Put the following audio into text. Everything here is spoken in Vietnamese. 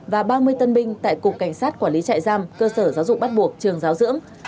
và ba mươi tân binh tại cục cảnh sát quản lý trại giam cơ sở giáo dục bắt buộc trường giáo dưỡng